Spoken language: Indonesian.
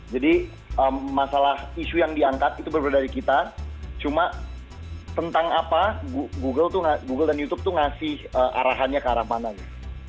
jadi masalah isu yang diangkat itu berbeda dari kita cuma tentang apa google dan youtube tuh ngasih arahannya ke arah mana gitu